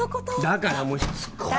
だからもうしつこいな。